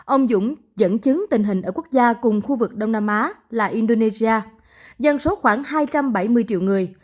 ông dũng dẫn chứng tình hình ở quốc gia cùng khu vực đông nam á là indonesia dân số khoảng hai trăm bảy mươi triệu người